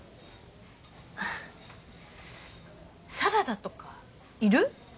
サラダとかいる？